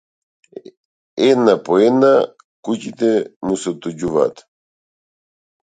Една по една куќите му се отуѓуваат.